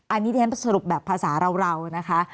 อันนี้ที่ฉันสรุปแบบภาษาเรานะคะ